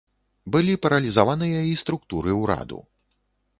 Былі паралізаваныя і структуры ўраду.